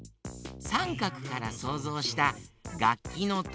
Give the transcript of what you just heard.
さんかくからそうぞうしたがっきのトライアングル。